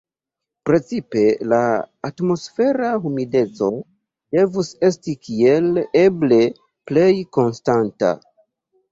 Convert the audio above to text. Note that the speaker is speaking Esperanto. Precipe la atmosfera humideco devus esti kiel eble plej konstanta.